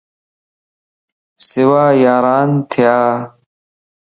سوا ياران ٿيان